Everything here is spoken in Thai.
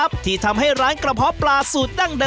ขอบคุณมากด้วยค่ะพี่ทุกท่านเองนะคะขอบคุณมากด้วยค่ะพี่ทุกท่านเองนะคะ